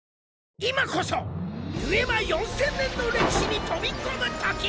今こそデュエマ４０００年の歴史に飛び込むとき。